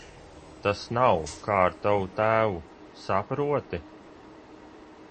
Tas nav, kā ar tavu tēvu, saproti?